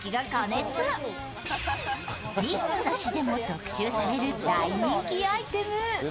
ティーンの雑誌でも特集される大人気アイテム。